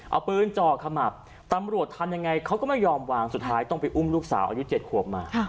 เอาปืนจ่อขมับตำรวจทำยังไงเขาก็ไม่ยอมวางสุดท้ายต้องไปอุ้มลูกสาวอายุ๗ขวบมา